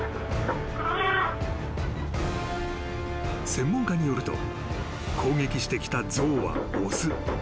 ［専門家によると攻撃してきた象は雄］